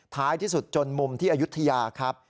ท้ายที่สุดจนมุมที่อายุทธิา